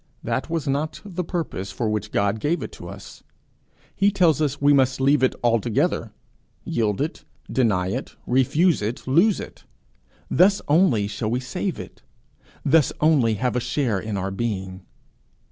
That was not the purpose for which God gave it to us I He tells us we must leave it altogether yield it, deny it, refuse it, lose it: thus only shall we save it, thus only have a share in our own being.